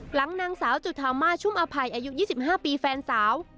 หลังนางสาวจุธาม่าชุมอภัยอายุยี่สิบห้าปีแฟนสาว